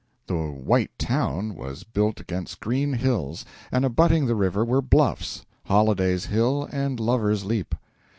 The "white town" was built against green hills, and abutting the river were bluffs Holliday's Hill and Lover's Leap.